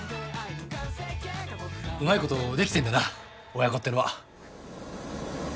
うまいことできてんだな親子ってのは。